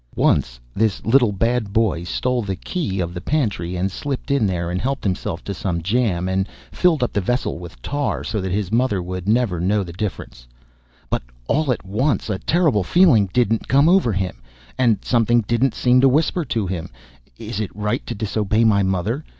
Once this little bad boy stole the key of the pantry, and slipped in there and helped himself to some jam, and filled up the vessel with tar, so that his mother would never know the difference; but all at once a terrible feeling didn't come over him, and something didn't seem to whisper to him, "Is it right to disobey my mother?